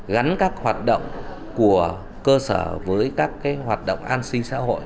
gắn các hoạt động của cơ sở với các hoạt động an sinh xã hội